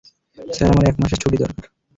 Sir আমার এক মাসের ছুটি দরকার।